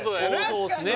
そうですね